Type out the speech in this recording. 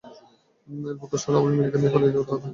এরপর কৌশলে আমি মেয়েকে নিয়ে পালিয়ে তাদের হাত থেকে মুক্তি পেয়েছি।